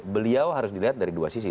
beliau harus dilihat dari dua sisi